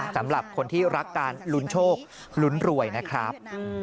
สำหรับคนที่รักการลุ้นโชคลุ้นรวยนะครับ